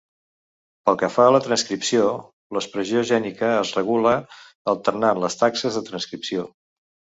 Pel que fa a la transcripció, l'expressió gènica es regula alterant les taxes de transcripció.